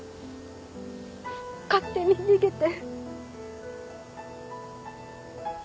勝手に逃げて。